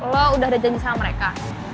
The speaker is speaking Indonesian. lo udah ada janji sama mereka